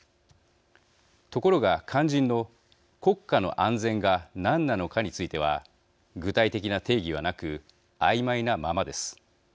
ところが肝心の国家の安全が何なのかについては具体的な定義はなくあいまいなままです。